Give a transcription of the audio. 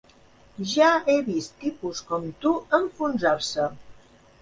Ja he vist tipus com tu enfonsar-se.